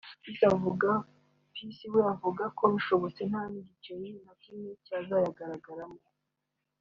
Peace we avuga ko bishobotse nta n’igiceri na kimwe cyazayagaragaramo